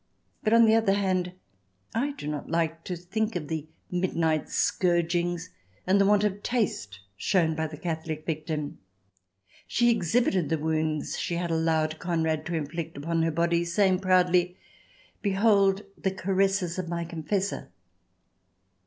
But, on the other hand, I do not like to think of the midnight scourgings and the want of taste shown by the Catholic victim. She exhibited the wounds she had allowed Conrad to inflict upon her body, saying proudly :" Behold the caresses of my confessor